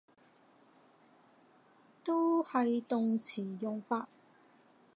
都係動詞用法